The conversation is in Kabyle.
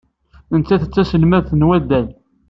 Nettat d taselmadt n waddal.